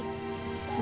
gue gak bisa jalan kaki